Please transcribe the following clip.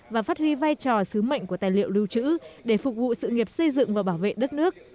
và phát huy vai trò sứ mệnh của tài liệu lưu trữ để phục vụ sự nghiệp xây dựng và bảo vệ đất nước